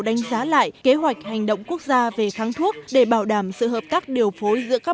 đánh giá lại kế hoạch hành động quốc gia về kháng thuốc để bảo đảm sự hợp tác điều phối giữa các